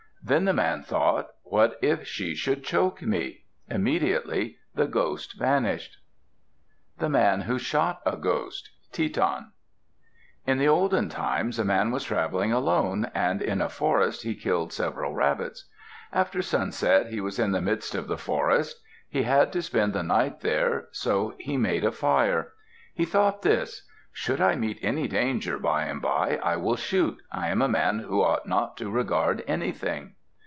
Then the man thought, "What if she should choke me." Immediately the ghost vanished. THE MAN WHO SHOT A GHOST Teton In the olden time, a man was traveling alone, and in a forest he killed several rabbits. After sunset he was in the midst of the forest. He had to spend the night there, so he made a fire. He thought this: "Should I meet any danger by and by, I will shoot. I am a man who ought not to regard anything."